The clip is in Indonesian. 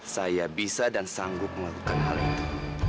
saya bisa dan sanggup melakukan hal itu